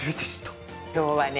今日はね